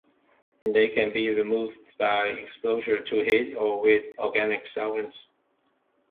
They can be removed by exposure to heat or with organic solvents.